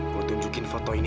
mau tunjukin foto ini